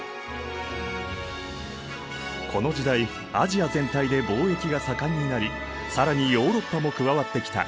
この時代アジア全体で貿易が盛んになり更にヨーロッパも加わってきた。